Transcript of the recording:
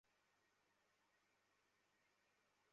আপনারা কি আমার সাথে থাকবেন?